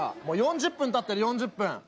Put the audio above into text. もう４０分たってる４０分。